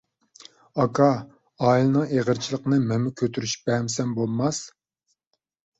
— ئاكا، ئائىلىنىڭ ئېغىرچىلىقىنى مەنمۇ كۆتۈرۈشۈپ بەرمىسەم بولماس.